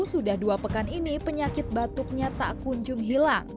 sudah dua pekan ini penyakit batuknya tak kunjungi